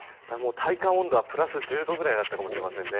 体感温度はプラス１０度くらいだったかもしれませんね。